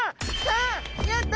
やった！